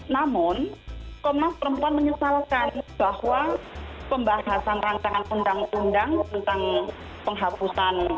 namun komnas perempuan menyesalkan bahwa pembahasan rancangan undang undang tentang penghapusan